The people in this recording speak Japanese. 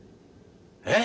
えっ？